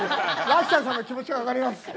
ラッシャーさんの気持ちが分かります。